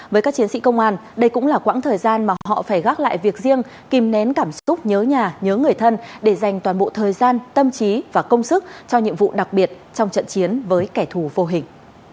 với các chiến sĩ công an đây cũng là quãng thời gian mà họ phải gác lại việc riêng kìm nén cảm xúc nhớ nhà nhớ người thân để dành toàn bộ thời gian tâm trí và công sức cho nhiệm vụ đặc biệt trong trận chiến với kẻ thù vô hình